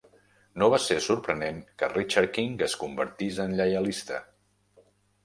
No va ser sorprenent que Richard King es convertís en lleialista.